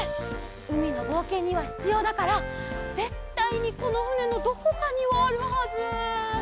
うみのぼうけんにはひつようだからぜったいにこのふねのどこかにはあるはず。